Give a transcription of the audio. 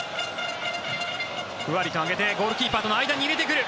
ふわりと上げてゴールキーパーとの間に入れてくる。